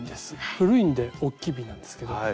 古いんでおっきい瓶なんですけど。